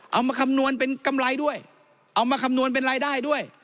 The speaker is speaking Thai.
เอามาคำนวณเป็นกำไรด้วยเอามาคำนวณเป็นรายได้ด้วย